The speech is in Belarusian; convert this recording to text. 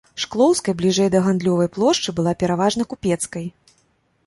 Шклоўскай бліжэй да гандлёвай плошчы была пераважна купецкай.